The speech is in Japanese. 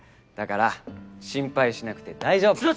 だから心配しなくて大丈夫。